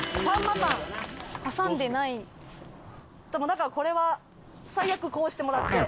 だからこれは最悪こうしてもらって。